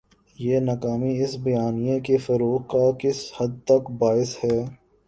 یہ ناکامی اس بیانیے کے فروغ کا کس حد تک باعث ہے؟